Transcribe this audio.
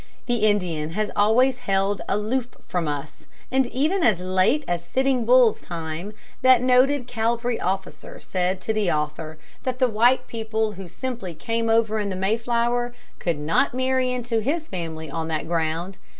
The Indian has always held aloof from us, and even as late as Sitting Bull's time that noted cavalry officer said to the author that the white people who simply came over in the Mayflower could not marry into his family on that ground.